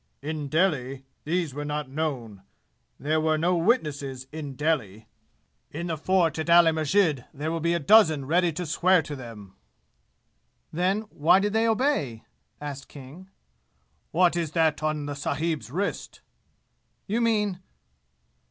"In Delhi these were not known. There were no witnesses in Delhi. In the fort at Ali Masjid there will be a dozen ready to swear to them!" "Then, why did they obey?" asked King. "What is that on the sahib's wrist?" "You mean